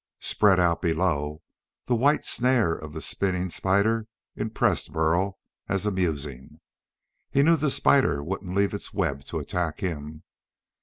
Spread out below, the white snare of the spinning spider impressed Burl as amusing. He knew the spider wouldn't leave its web to attack him.